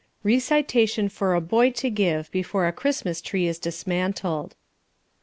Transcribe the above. = (Recitation for a boy to give before a Christmas tree is dismantled.)